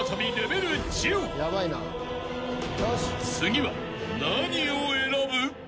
［次は何を選ぶ？］